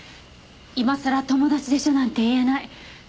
今さら「友達でしょ」なんて言えない。